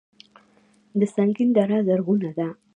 د سنګین دره زرغونه ده